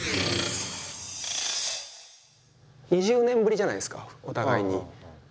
２０年ぶりじゃないですかお互いに。